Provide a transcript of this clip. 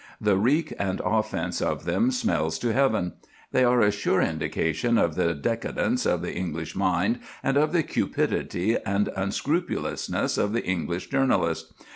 The reek and offence of them smells to heaven. They are a sure indication of the decadence of the English mind and of the cupidity and unscrupulousness of the English journalist.